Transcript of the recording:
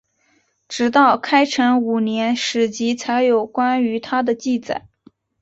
直到开成五年史籍才有关于他的记载。